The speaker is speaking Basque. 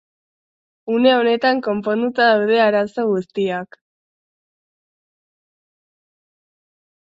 Une honetan, konponduta daude arazo guztiak.